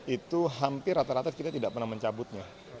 itu hampir rata rata kita tidak pernah mencabutnya